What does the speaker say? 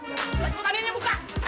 yang kebutaannya nya buka